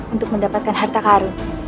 untuk mendapatkan harta karun